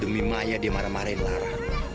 demi maya dia marah marahin lara